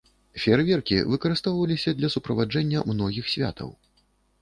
Феерверкі выкарыстоўваліся для суправаджэння многіх святаў.